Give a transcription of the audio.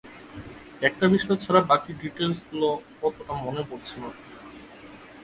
একটা বিষয় ছাড়া বাকি ডিটেইলসগুলো অতোটা মনে পড়ছে না!